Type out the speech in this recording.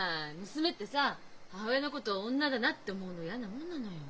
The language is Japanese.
娘ってさ母親のこと「女だな」って思うの嫌なもんなのよ。